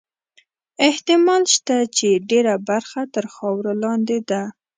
احتمال شته چې ډېره برخه تر خاورو لاندې ده.